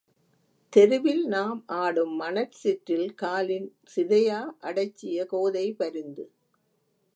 தெருவில் நாம் ஆடும் மணற் சிற்றில் காலின் சிதையா அடைச்சிய கோதை பரிந்து.